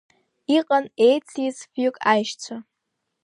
Иҟан еициз фҩык аишьцәа…